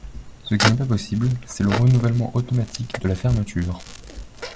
Ce qui n’est pas possible, c’est le renouvellement automatique de la fermeture.